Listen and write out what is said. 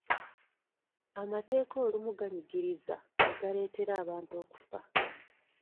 Amateeka olumu ganyigiriza ne galeetera abantu okufa.